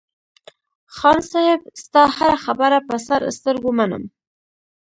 خان صاحب ستا هره خبره په سر سترگو منم.